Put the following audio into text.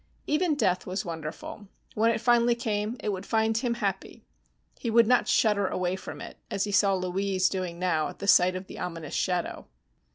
Even death was wonderful. When it finally came, it would find him happy. He would not shudder away from it, as he saw Louise doing now at the sight of the ominous shadow.